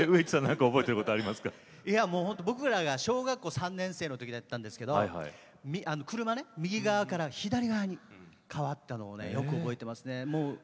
僕らが僕ら小学校３年生のときだったんですけど車、右側から左側に変わったのを覚えてますね。